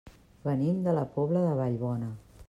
Venim de la Pobla de Vallbona.